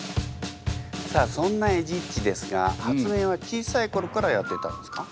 さあそんなエジっちですが発明は小さいころからやってたんですか？